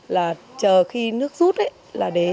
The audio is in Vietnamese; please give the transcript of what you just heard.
là chờ khi nước rút ấy